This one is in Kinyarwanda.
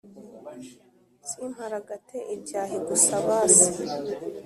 Simparagate ibyahi gusa basi